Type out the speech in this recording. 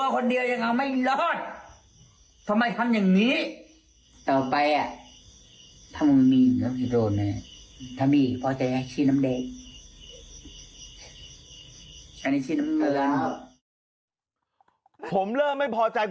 ผมเริ่มไม่พอใจคุณพ่อแล้วนะ